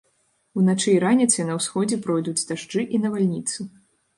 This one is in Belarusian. Уначы і раніцай на ўсходзе пройдуць дажджы і навальніцы.